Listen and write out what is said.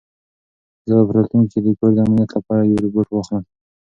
زه به په راتلونکي کې د کور د امنیت لپاره یو روبوټ واخلم.